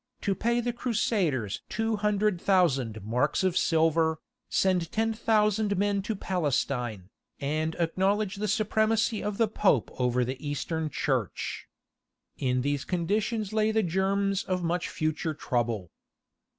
to pay the Crusaders 200,000 marks of silver, send ten thousand men to Palestine, and acknowledge the supremacy of the Pope over the Eastern Church. In these conditions lay the germs of much future trouble.